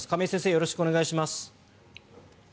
よろしくお願いします。